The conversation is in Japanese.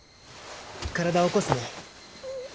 体起こすね。